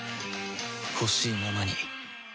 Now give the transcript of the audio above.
ほしいままに